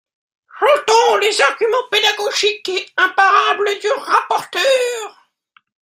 J’entends les arguments pédagogiques et imparables du rapporteur.